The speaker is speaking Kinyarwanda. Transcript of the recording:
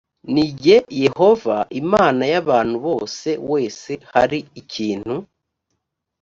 ni jye yehova imana y abantu bose w ese hari ikintu